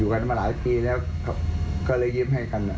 อยู่กันมาหลายปีก็เลยยิ้มให้กัน